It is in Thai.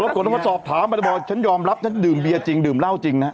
รับกฎว่าสอบถามมันจะบอกฉันยอมรับฉันดื่มเบียนจริงดื่มเล่าจริงนะฮะ